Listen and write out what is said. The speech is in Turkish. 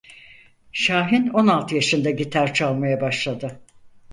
Şahin on altı yaşında gitar çalmaya başladı.